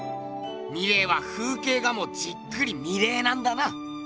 ミレーは風景画もじっくり見れなんだな。